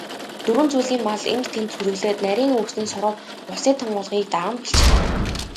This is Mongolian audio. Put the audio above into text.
Дөрвөн зүйлийн мал энд тэнд сүрэглээд, нарийн өвсний соргог, усны тунгалгийг даган бэлчинэ.